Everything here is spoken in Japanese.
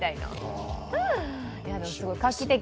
すごい画期的。